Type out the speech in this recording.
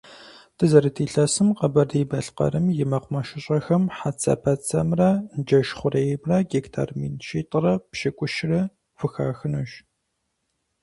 Дызэрыт илъэсым Къэбэрдей-Балъкъэрым и мэкъумэшыщӏэхэм хьэцэпэцэмрэ джэш хъуреймрэ гектар мин щитӏрэ пщыкӏущрэ хухахынущ.